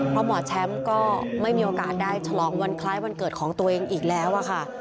เพราะหมอแชมป์ก็ไม่มีโอกาสได้ฉลองวันคล้ายวันเกิดของตัวเองอีกแล้วค่ะ